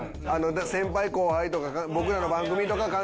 先輩後輩とか僕らの番組とか関係なく。